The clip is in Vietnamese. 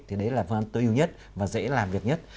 thì đấy là vấn đề tối ưu nhất và dễ làm việc nhất